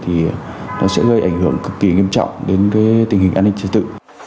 thì nó sẽ gây ảnh hưởng cực kỳ nghiêm trọng đến tình hình an ninh trật tự